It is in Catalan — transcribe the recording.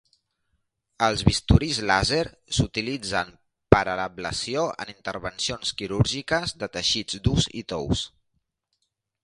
Els bisturís làser s'utilitzen per a l'ablació en intervencions quirúrgiques de teixits durs i tous.